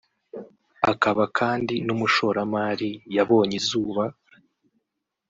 akaba kandi n’umushoramari yabonye izuba